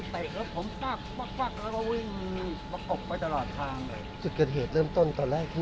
ตรงราชภึกอ่ะที่ขามามาทางกรมรณแมนนะ